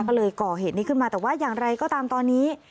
ก็เลยก่อเหตุนี้ขึ้นมาแต่ว่าอย่างไรก็ตามตอนนี้